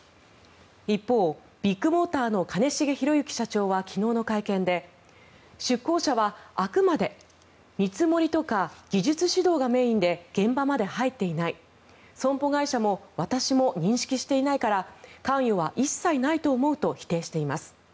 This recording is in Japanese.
一方、ビッグモーターの兼重宏行社長は昨日の会見で出向者はあくまで見積もりとか技術指導がメインで現場まで入っていない損保会社も私も認識していないから関与は一切ないと思うと否定しています。